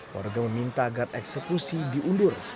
warga meminta agar eksekusi diundur